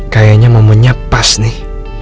kayaknya momennya pas nih